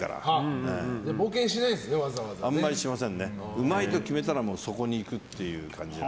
うまいと決めたらそこに行くという。